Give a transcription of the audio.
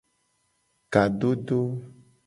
Kadodo.